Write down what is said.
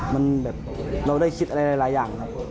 มันแบบเราได้คิดอะไรหลายอย่างครับ